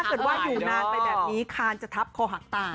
ถ้าเกิดว่าอยู่นานไปแบบนี้คานจะทับคอหักตา